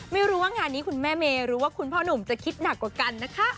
ไม่รู้ว่างานนี้คุณแม่เมย์หรือว่าคุณพ่อหนุ่มจะคิดหนักกว่ากันนะคะ